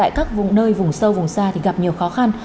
tại các vùng nơi vùng sâu vùng xa thì gặp nhiều khó khăn